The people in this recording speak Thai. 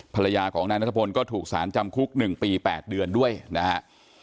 ภรรยาของนายนัทพลก็ถูกสารจำคุก๑ปี๘เดือนด้วยนะฮะ